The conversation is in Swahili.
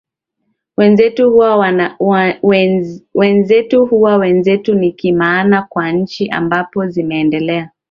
wenzetu huwa wenzetu nikimaana kwa nchi ambazo zimeendelea